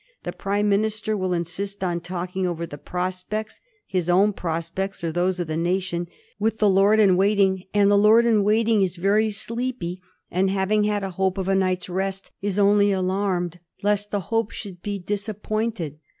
The Prime minister will insist on talking over the prospects — ^his own prospects or those of the nation — with the lord in waiting; and the lord in waiting is very sleepy, and, having had a hope of a night's rest, is only alarmed lest the hope should be dis appointed.